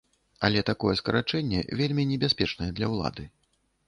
Але такое скарачэнне вельмі небяспечнае для ўлады.